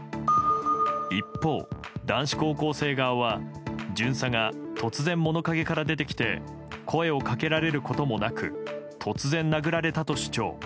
一方、男子高校生側は巡査が突然、物陰から出てきて声をかけられることもなく突然、殴られたと主張。